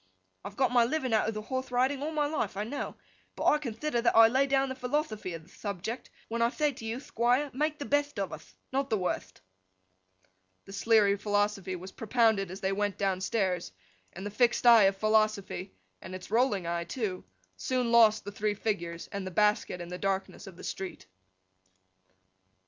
I've got my living out of the horthe riding all my life, I know; but I conthider that I lay down the philothophy of the thubject when I thay to you, Thquire, make the betht of uth: not the wurtht!' The Sleary philosophy was propounded as they went downstairs and the fixed eye of Philosophy—and its rolling eye, too—soon lost the three figures and the basket in the darkness of the street.